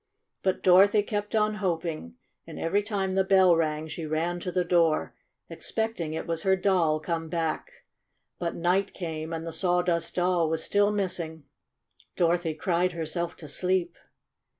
But Dorothy kept on hoping, and every time the bell rang she ran to the door, ex pecting it was her Doll come back. But night came, and the Sawdust Doll was still missing. Dorothy cried herself to sleep.